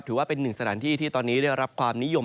ถือว่าเป็นหนึ่งสถานที่ที่ตอนนี้ได้รับความนิยม